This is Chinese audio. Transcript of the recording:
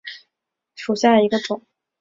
滇葎草为桑科葎草属下的一个种。